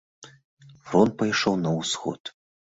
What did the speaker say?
Фронт пайшоў на ўсход.